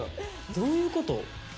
どういうこと？